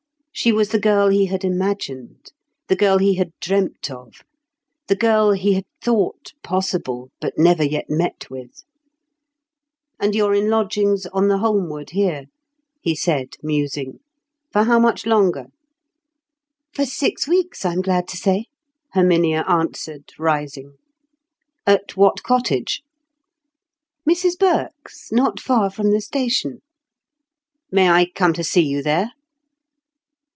She was the girl he had imagined, the girl he had dreamt of, the girl he had thought possible, but never yet met with. "And you're in lodgings on the Holmwood here?" he said, musing. "For how much longer?" "For, six weeks, I'm glad to say," Herminia answered, rising. "At what cottage?" "Mrs Burke's—not far from the station." "May I come to see you there?"